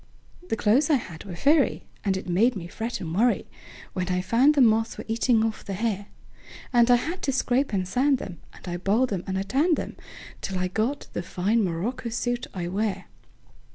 The clothes I had were furry, And it made me fret and worryWhen I found the moths were eating off the hair; And I had to scrape and sand 'em, And I boiled 'em and I tanned 'em, Till I got the fine morocco suit I wear.